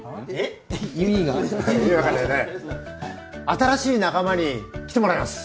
新しい仲間に来てもらいます。